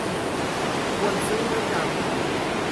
ควรซื้อไว้ยามวิกฤต